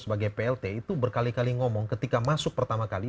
sebagai plt itu berkali kali ngomong ketika masuk pertama kali